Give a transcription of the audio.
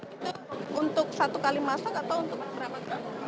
itu untuk satu kali masak atau berapa kali